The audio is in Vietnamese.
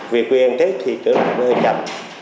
vì quy an tết thì trở lại nó hơi chậm